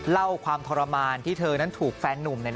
เล่าความทรมานที่เธอนั้นถูกแฟนนุ่ม